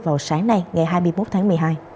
vào sáng nay ngày hai mươi một tháng một mươi hai